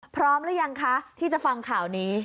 พร้อมหรือยังคะที่จะฟังข่าวนี้